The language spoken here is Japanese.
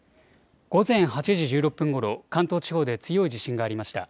午前８時１６分ごろ関東地方で強い地震がありました。